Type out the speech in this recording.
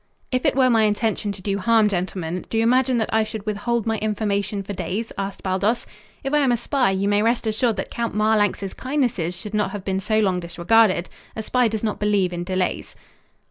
"If it were my intention to do harm, gentlemen, do you imagine that I should withhold my information for days?" asked Baldos. "If I am a spy, you may rest assured that Count Marlanx's kindnesses should not have been so long disregarded. A spy does not believe in delays."